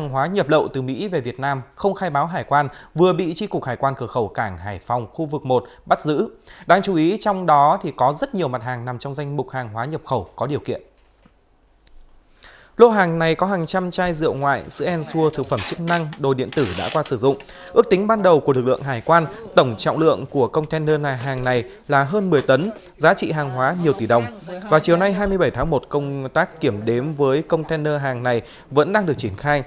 hôm nay hai mươi bảy tháng một công tác kiểm đếm với container hàng này vẫn đang được triển khai